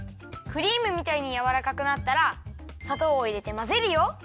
クリームみたいにやわらかくなったらさとうをいれてまぜるよ。